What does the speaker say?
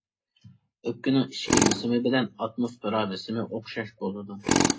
ئۆپكىنىڭ ئىچكى بېسىمى بىلەن ئاتموسفېرا بېسىمى ئوخشاش بولىدۇ.